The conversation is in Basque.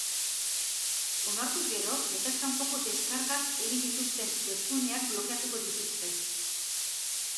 Onartuz gero, legez kanpoko deskargak egiten dituzten webguneak blokeatuko dituzte.